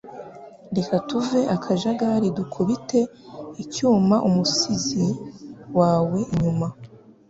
Reka tuve akajagari dukubite icyuma umusizi wawe inyuma